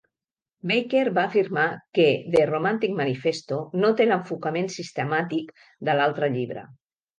Baker va afirmar que "The Romantic Manifesto" no té l'enfocament "sistemàtic" de l'altre llibre.